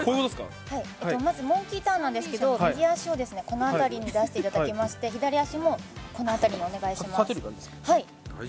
まずモンキーターンなんですけど、右足をこの辺りに出していただいて左足もこの辺りにお願いします。